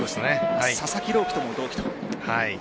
佐々木朗希とも同期と。